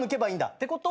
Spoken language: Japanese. ってことは。